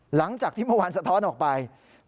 หลังจากที่เมื่อวานสะท้อนออกไป